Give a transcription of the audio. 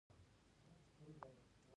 ټول پام یې د سیاسي ثبات ټینګښت ته و.